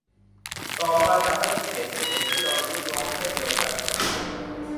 ต่อมาจับได้อีเห็น อีเห็นก็ยอมเป็นลูกน้อง เช่นเดียวกันกับเสือ